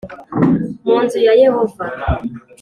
mu nzu ya Yehova